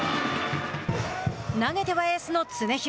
投げてはエースの常廣。